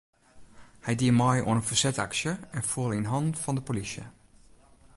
Hy die mei oan in fersetsaksje en foel yn hannen fan de polysje.